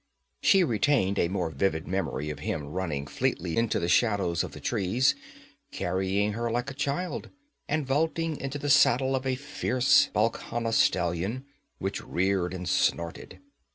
She retained a more vivid memory of him running fleetly into the shadows of the trees, carrying her like a child, and vaulting into the saddle of a fierce Bhalkhana stallion which reared and snorted.